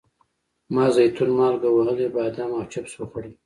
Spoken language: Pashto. ما زیتون، مالګه وهلي بادام او چپس وخوړل.